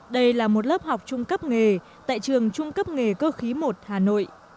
đây là một lớp học trung cấp nghề tại trường trung cấp nghề cơ khí một hà nội